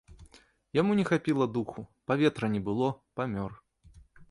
Яму не хапіла духу, паветра не было, памёр.